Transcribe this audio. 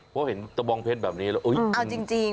เพราะเห็นตะบองเพชรแบบนี้แล้วเอาจริง